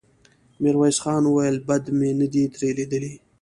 ميرويس خان وويل: بد مې نه دې ترې ليدلي.